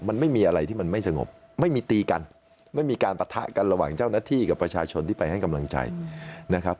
มันไม่มีอะไรที่มันไม่สงบไม่มีตีกันไม่มีการปะทะกันระหว่างเจ้าหน้าที่กับประชาชนที่ไปให้กำลังใจนะครับ